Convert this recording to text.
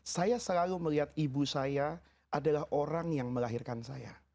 saya selalu melihat ibu saya adalah orang yang melahirkan saya